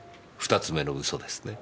２つ目の嘘ですね。